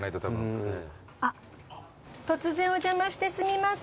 あっ突然お邪魔してすみません。